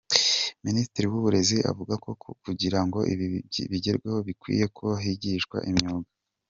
Minisitiri w’uburezi avuga ko kugira ngo ibi bigerweho, bikwiye ko higishwa imyuga.